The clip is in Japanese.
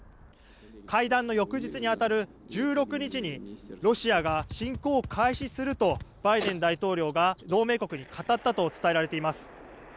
会談の翌日に当たる１６日にロシアが侵攻を開始するとバイデン大統領が同盟国に語ったと伝えられています。